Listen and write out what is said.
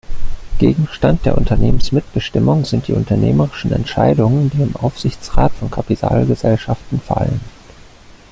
Gegenstand der Unternehmensmitbestimmung sind die unternehmerischen Entscheidungen, die im Aufsichtsrat von Kapitalgesellschaften fallen.